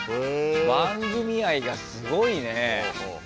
番組愛がすごいね。